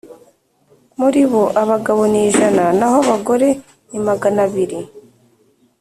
Muri bo abagabo ni ijana naho abagore ni Magana abiri